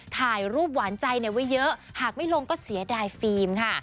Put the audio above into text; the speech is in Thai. ถ่ายรูปหวานใจไว้เยอะหากไม่ลงก็เสียดายฟิล์มค่ะ